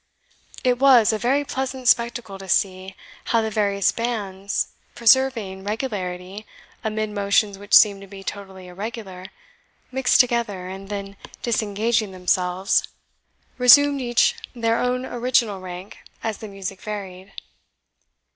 It was a very pleasant spectacle to see how the various bands, preserving regularity amid motions which seemed to be totally irregular, mixed together, and then disengaging themselves, resumed each their own original rank as the music varied.